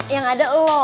yang ada lo